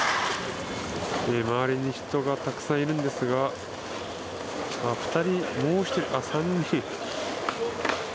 周りに人がたくさんいるんですが２人、３人。